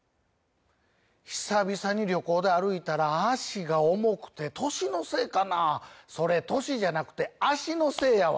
久々に旅行で歩いたら脚が重くて歳のせいかなそれ「歳」じゃなくて「脚」のせいやわ！